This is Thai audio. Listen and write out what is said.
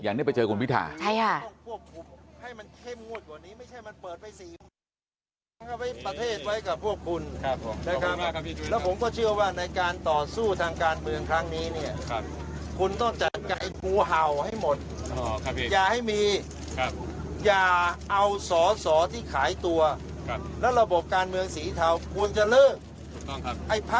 อยากได้ไปเจอกับคุณวิทยา